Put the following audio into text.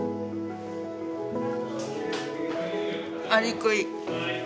アリクイ。